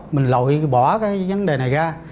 mình lội bỏ cái vấn đề này ra